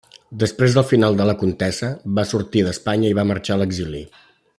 Després del final de la contesa va sortir d'Espanya i va marxar a l'exili.